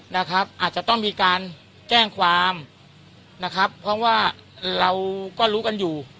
นะครับอาจจะต้องมีการแจ้งความนะครับเพราะว่าเราก็รู้กันอยู่